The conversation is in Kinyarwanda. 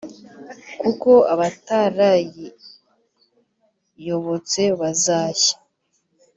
Kuko abatarayiyobotse bazashya